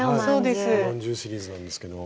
おまんじゅうシリーズなんですけども。